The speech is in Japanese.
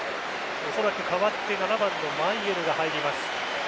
おそらく代わって７番のマイェルが入ります。